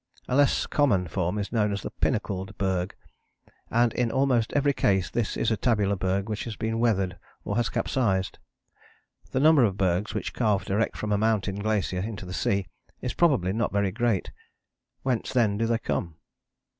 A less common form is known as the pinnacled berg, and in almost every case this is a tabular berg which has been weathered or has capsized. The number of bergs which calve direct from a mountain glacier into the sea is probably not very great. Whence then do they come?